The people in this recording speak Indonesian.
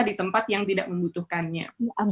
di tempat yang tidak membutuhkannya